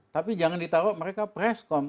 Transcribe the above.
tapi jangan ditaruh mereka preskom